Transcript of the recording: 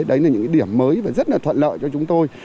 đấy là những điểm mới và rất là thuận lợi cho chúng tôi